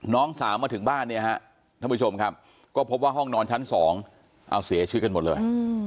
น้องสาวมาถึงบ้านเนี่ยฮะท่านผู้ชมครับก็พบว่าห้องนอนชั้น๒เอาเสียชีวิตกันหมดเลย